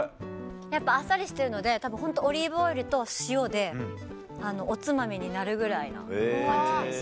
やっぱあっさりしてるのでたぶんホントオリーブオイルと塩でおつまみになるぐらいな感じです